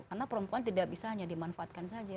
karena perempuan tidak bisa hanya dimanfaatkan saja